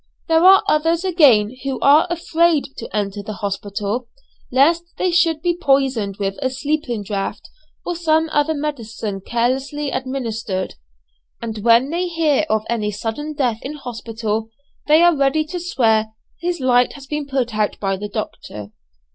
There are others again who are afraid to enter the hospital lest they should be poisoned with a sleeping draught, or some other medicine carelessly administered; and when they hear of any sudden death in hospital they are ready to swear "his light has been put out by the doctor."